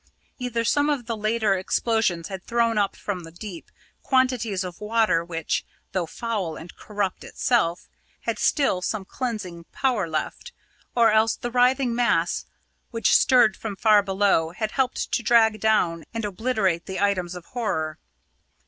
Either some of the later explosions had thrown up from the deep quantities of water which, though foul and corrupt itself, had still some cleansing power left, or else the writhing mass which stirred from far below had helped to drag down and obliterate the items of horror.